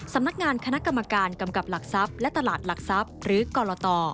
สำนักงานคณะกรรมการกำกับหลักทรัพย์และตลาดหลักทรัพย์หรือกรต